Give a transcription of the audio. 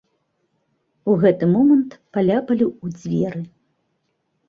У гэты момант паляпалі ў дзверы.